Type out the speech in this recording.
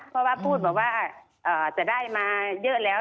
เพราะว่าพูดบอกว่าจะได้มาเยอะแล้ว